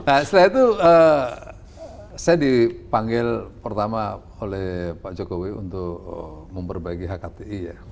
nah setelah itu saya dipanggil pertama oleh pak jokowi untuk memperbaiki hkti ya